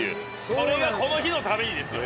それがこの日のためにですよ。